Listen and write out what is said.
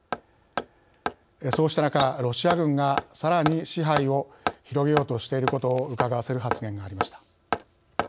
そうした中ロシア軍がさらに支配を広げようとしていることをうかがわせる発言がありました。